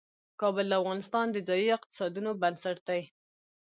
کابل د افغانستان د ځایي اقتصادونو بنسټ دی.